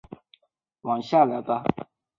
住下来吧